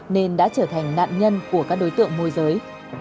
nên đã trở thành nạn nhân của các đối tượng môi giới